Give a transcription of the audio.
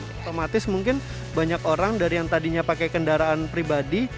otomatis mungkin banyak orang dari yang tadinya pakai kendaraan pribadi